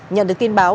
nhận được tin báo